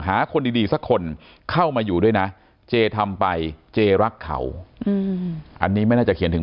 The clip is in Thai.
คนดีสักคนเข้ามาอยู่ด้วยนะเจทำไปเจรักเขาอันนี้ไม่น่าจะเขียนถึง